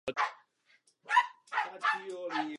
V současné době je zástupcem vedoucího katedry historie.